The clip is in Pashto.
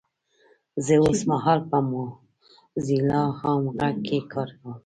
زه اوسمهال په موځیلا عام غږ کې کار کوم 😊!